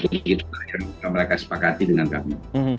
jadi begitu mereka sepakati dengan kami